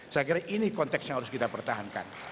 saya kira ini konteks yang harus kita pertahankan